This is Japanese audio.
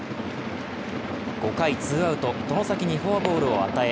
５回、ツーアウト、外崎にフォアボールを与え